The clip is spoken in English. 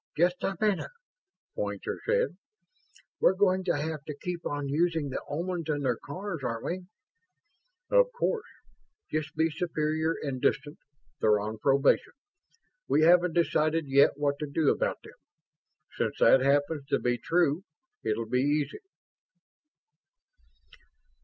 "Just a minute," Poynter said. "We're going to have to keep on using the Omans and their cars, aren't we?" "Of course. Just be superior and distant. They're on probation we haven't decided yet what to do about them. Since that happens to be true, it'll be easy."